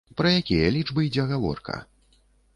Пра якія лічбы ідзе гаворка?